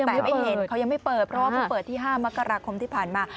แต่ไม่เห็นเขายังไม่เปิดเพราะว่าเพิ่งเปิดที่๕มกราคมที่ผ่านมา